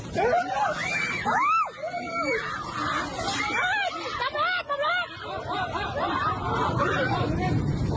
จะฆ่ารักรบของหัวตืกกับหัวพี่